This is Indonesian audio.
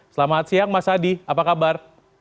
selamat siang mas adi apa kabar